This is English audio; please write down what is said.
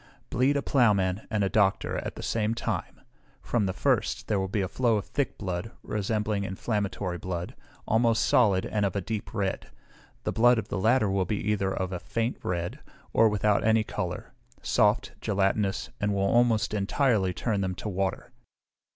Bleed a ploughman and a doctor at the same time; from the first there will flow a thick blood, resembling inflammatory blood, almost solid, and of a deep red; the blood of the latter will be either of a faint red, or without any colour, soft, gelatinous, and will almost entirely turn them to water.